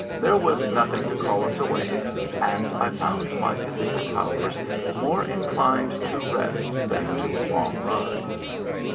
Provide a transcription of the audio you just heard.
There was nothing to call us away, and I found my physical powers more inclined to rest than to a long ride.